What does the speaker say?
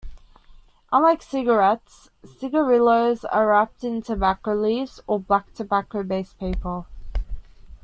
Unlike cigarettes, cigarillos are wrapped in tobacco leaves or brown tobacco-based paper.